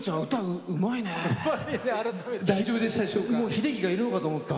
秀樹がいるのかと思った。